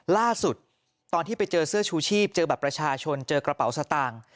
ล่าสุดตอนที่ไปเจอเสื้อชูชีพเจอบัตรประชาชนเจอกระเป๋าสตางค์